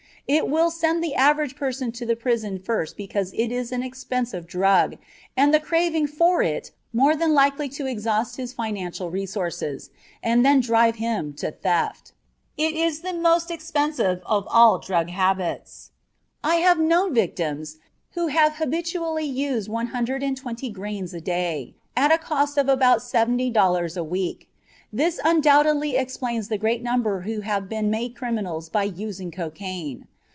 It will send the average person to the prison first because it is an expensive drug, and the craving for it is more than likely to exhaust his financial resources and then drive him to theft. It is the most expensive of all drug habits. I have known victims who habitually used one hundred and twenty grains a day, at a cost of about seventy dollars a week. This undoubtedly explains the great number who have been made criminals by using cocaine.